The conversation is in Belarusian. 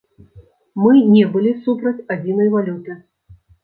Мы не былі супраць адзінай валюты.